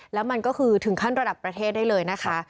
แล้วมันก็คือถึงขั้นระดับประเทศได้เลยนะคะ